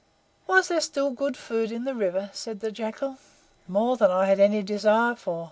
"Was there still good food in the river?" said the Jackal. "More than I had any desire for.